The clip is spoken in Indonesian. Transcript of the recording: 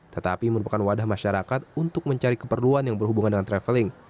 tetapi merupakan wadah masyarakat untuk mencari keperluan yang berhubungan dengan traveling